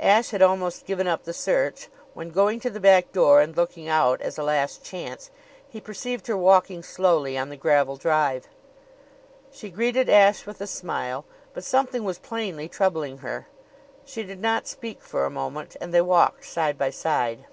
Ashe had almost given up the search when, going to the back door and looking out as a last chance, he perceived her walking slowly on the gravel drive. She greeted Ashe with a smile, but something was plainly troubling her. She did not speak for a moment and they walked side by side.